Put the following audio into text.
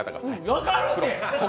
分かるて！